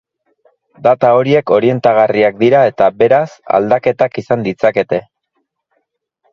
Data horiek orientagarriak dira eta beraz, aldaketak izan ditzakete.